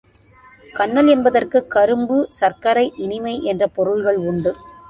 கன்னல் என்பதற்கு, கரும்பு, சர்க்கரை, இனிமை என்ற பொருள்கள் உண்டு.